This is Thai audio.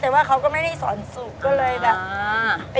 แต่ว่าเขาก็ไม่ได้สอนสุขก็เลยแบบอ่า